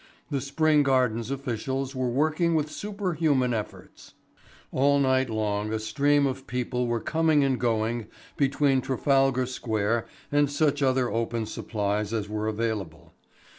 The Spring Gardens officials were working with superhuman efforts. All night long a stream of people were coming and going between Trafalgar Square and such other open supplies as were available.